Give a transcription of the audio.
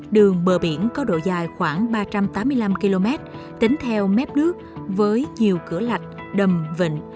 đường bờ biển có độ dài khoảng ba trăm tám mươi năm km tính theo mép nước với nhiều cửa lạch đầm vịnh